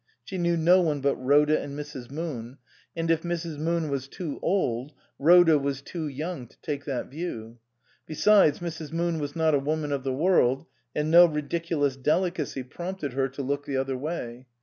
She knew no one but Rhoda and Mrs. Moon ; and if Mrs. Moon was too old, Rhoda was too young to take that view ; besides, Mrs. Moon was not a woman of the world and no ridicu lous delicacy prompted her to look the other way.